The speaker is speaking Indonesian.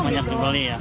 banyak yang beli ya